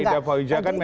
jadi dari jawaban tadi